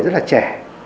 rất là trẻ